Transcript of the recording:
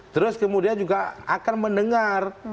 terus kemudian juga akan mendengar